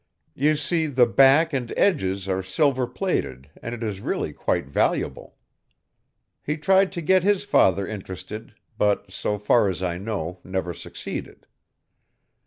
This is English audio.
You see the back and edges are silver plated and it is really quite valuable. He tried to get his father interested, but, so far as I know, never succeeded.